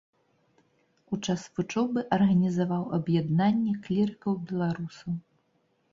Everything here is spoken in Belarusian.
У час вучобы арганізаваў аб'яднанне клірыкаў-беларусаў.